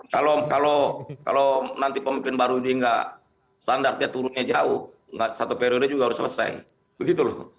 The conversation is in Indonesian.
karena kalau nanti pemimpin baru ini nggak standarnya turunnya jauh satu periode juga harus selesai begitu loh